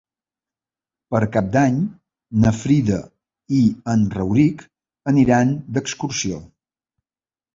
Per Cap d'Any na Frida i en Rauric aniran d'excursió.